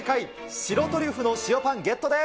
白トリュフの塩パン、ゲットです。